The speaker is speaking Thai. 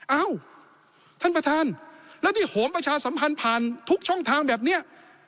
เอ้าท่านประธานแล้วที่โหมประชาสัมพันธ์ผ่านทุกช่องทางแบบนี้